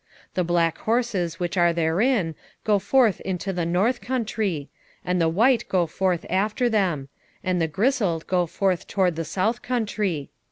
6:6 The black horses which are therein go forth into the north country; and the white go forth after them; and the grisled go forth toward the south country.